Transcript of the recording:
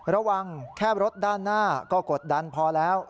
ระวังแค่รถด้านหน้าก็กดดันพอแล้ว